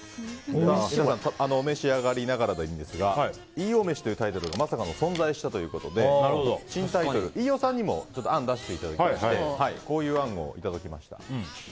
皆さん、お召し上がりながらでいいんですが飯尾飯というタイトルがまさかの存在したということで新タイトル、飯尾さんにも案を出していただきましてこういう案をいただきました。